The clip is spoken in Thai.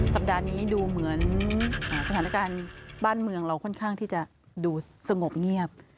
สัปดาห์นี้ดูเหมือนสถานการณ์บ้านเมืองเราค่อนข้างที่จะดูสงบเงียบ